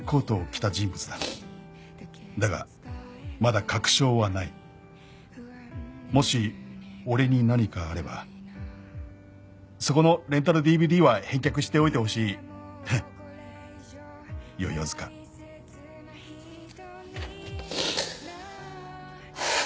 「だがまだ確証はない」「もし俺に何かあればそこのレンタルＤＶＤは返却しておいてほしい」「世々塚」はあ。